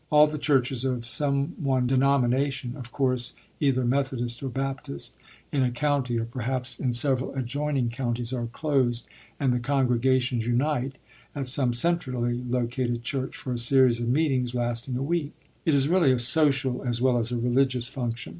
All the churches of some one denomination of course, either Methodist or Baptist in a county, or, perhaps, in several adjoining counties, are closed, and the congregations unite at some centrally located church for a series of meetings lasting a week. It is really a social as well as a religious function.